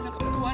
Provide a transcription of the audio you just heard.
tuan gawat tuan